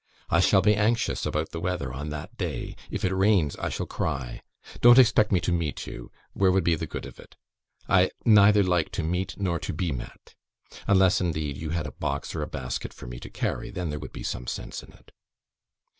I shall be anxious about the weather on that day; if it rains, I shall cry. Don't expect me to meet you; where would be the good of it? I neither like to meet, nor to be met. Unless, indeed, you had a box or a basket for me to carry; then there would be some sense in it.